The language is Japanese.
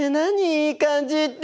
「いい感じ」って！